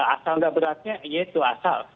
asal nggak beratnya ya itu asal